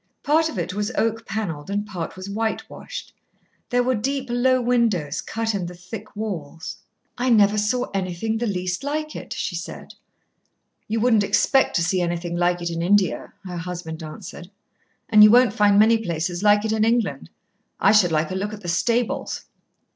Part of it was oak panelled and part was whitewashed. There were deep, low windows cut in the thick walls. "I never saw anything the least like it," she said. "You wouldn't expect to see anything like it in India," her husband answered. "And you won't find many places like it in England. I should like a look at the stables."